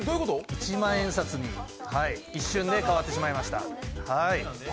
一万円札に一瞬で変わってしまいました。